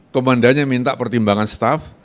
komandannya minta pertimbangan staff